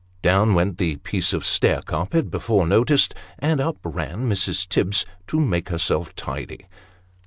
Down went the piece of stair carpet before noticed, and up ran Mrs. Tibbs " to make herself tidy."